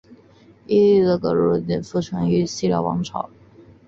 伊犁的葛逻禄部即臣服于西辽王朝。